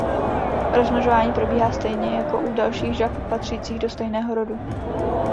Rozmnožování probíhá stejně jako u dalších žab patřících do stejného rodu.